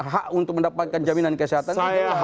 hak untuk mendapatkan jaminan kesehatan